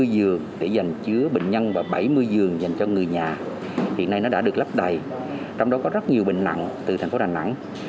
ba mươi giường để giành chứa bệnh nhân và bảy mươi giường dành cho người nhà hiện nay nó đã được lấp đầy trong đó có rất nhiều bệnh nặng từ thành phố đà nẵng